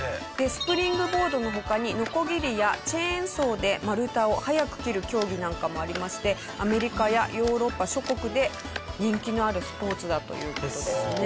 スプリングボードの他にノコギリやチェーンソーで丸太を速く切る競技なんかもありましてアメリカやヨーロッパ諸国で人気のあるスポーツだという事ですね。